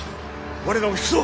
我らも引くぞ！